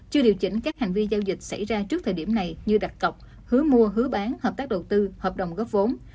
chưa điều chỉnh các hành vi giao dịch xảy ra trước thời điểm này như đặt cọc hứa mua hứa bán hợp tác đầu tư hợp đồng góp vốn